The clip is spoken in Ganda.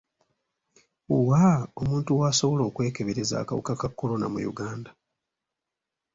Wa omuntu w'asobola okwekebereza akawuka ka kolona mu Uganda?